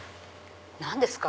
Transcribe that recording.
何ですか？